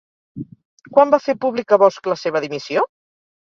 Quan va fer pública Bosch la seva dimissió?